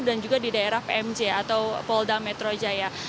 dan juga di daerah pmj atau polda metro jaya